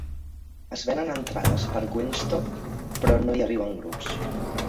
Es venen entrades per a Waynestock però no hi arriben grups.